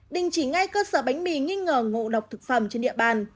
đình chỉ ngay cơ sở bánh mì nghi ngờ ngộ độc thực phẩm trên địa bàn